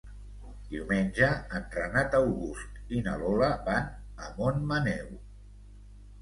Diumenge en Renat August i na Lola van a Montmaneu.